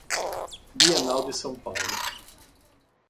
Bienal de São Paulo